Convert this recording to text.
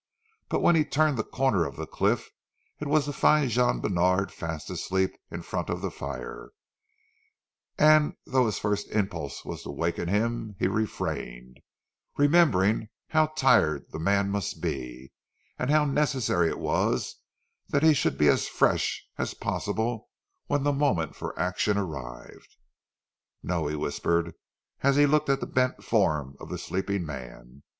But when he turned the corner of the cliff, it was to find Jean Bènard fast asleep in front of the fire, and though his first impulse was to waken him, he refrained, remembering how tired the man must be, and how necessary it was that he should be as fresh as possible when the moment for action arrived. "No," he whispered, as he looked at the bent form of the sleeping man.